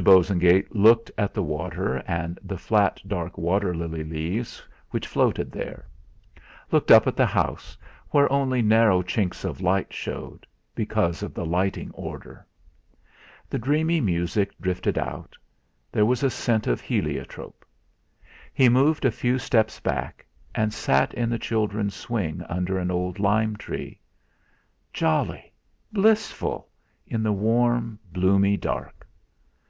Bosengate looked at the water and the flat dark water lily leaves which floated there; looked up at the house, where only narrow chinks of light showed, because of the Lighting Order. The dreamy music drifted out; there was a scent of heliotrope. He moved a few steps back, and sat in the children's swing under an old lime tree. Jolly blissful in the warm, bloomy dark!